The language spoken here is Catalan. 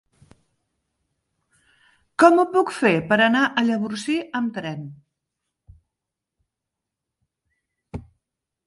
Com ho puc fer per anar a Llavorsí amb tren?